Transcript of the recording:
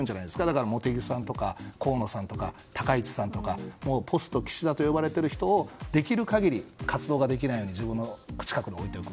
だから茂木さんとか河野さんとか高市さんとかポスト岸田と言われている人をできる限り活動ができないように自分の近くに置いていく。